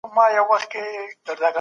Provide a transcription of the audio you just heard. پنځه له پنځو سره برابر دي.